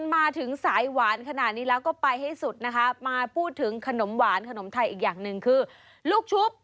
มาถึงสายหวานขนาดนี้แล้วก็ไปให้สุดนะคะมาพูดถึงขนมหวานขนมไทยอีกอย่างหนึ่งคือลูกชุบ